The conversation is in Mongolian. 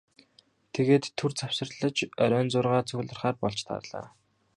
Тэгээд түр завсарлаж оройн зургаад цугларахаар болж тарлаа.